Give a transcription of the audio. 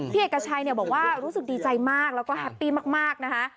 เอกชัยบอกว่ารู้สึกดีใจมากแล้วก็แฮปปี้มากนะคะ